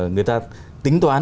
người ta tính toán